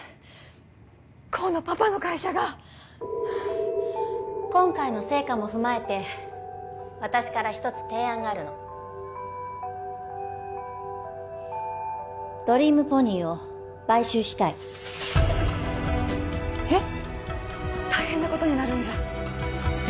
功のパパの会社が今回の成果も踏まえて私から一つ提案があるのドリームポニーを買収したいえっ？